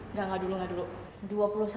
nggak dulu nggak dulu